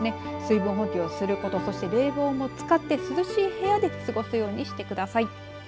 水分補給をすることそして冷房も使って涼しい部屋で過ごすようにしてください。